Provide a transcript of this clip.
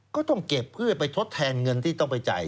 ก็ต้องเก็บเพื่อไปทดแทนเงินที่ต้องไปจ่าย